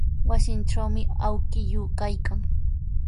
Wasintrawmi awkilluu kaykan.